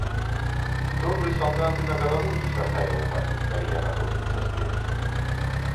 Добры салдат і на галаву не звяртае ўвагі, калі яна коціцца з плеч.